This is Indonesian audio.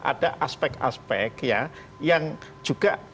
ada aspek aspek ya yang juga